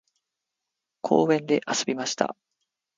公園で遊びました。